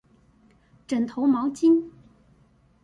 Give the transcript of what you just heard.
枕頭毛巾